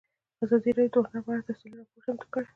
ازادي راډیو د هنر په اړه تفصیلي راپور چمتو کړی.